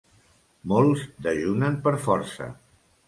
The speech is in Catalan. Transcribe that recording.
Molts dejunen per força.